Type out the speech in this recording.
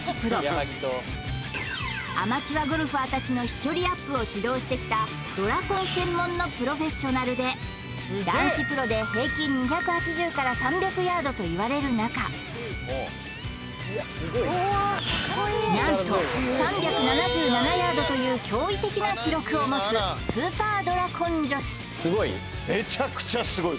アマチュアゴルファーたちの飛距離アップを指導してきたドラコン専門のプロフェッショナルで男子プロで平均２８０３００ヤードといわれる中なんと３７７ヤードという驚異的な記録を持つスーパードラコン女子すごい？